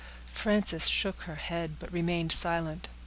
Frances shook her head, but remained silent.